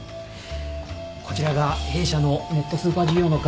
こちらが弊社のネットスーパー事業の概要となります。